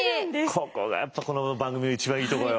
ここがこの番組の一番いいとこよ。